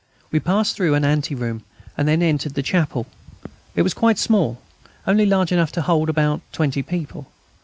We passed through an anteroom, and then entered the chapel. It was quite small, only large enough to hold about twenty people.